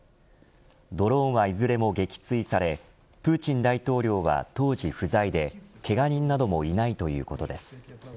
ドローンはいずれも撃墜されプーチン大統領は、当時不在でけが人などもいないということです。